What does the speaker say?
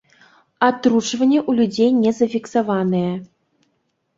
Атручванні ў людзей не зафіксаваныя.